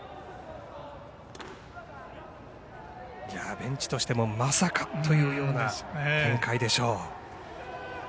ベンチとしても、まさかというような展開でしょう。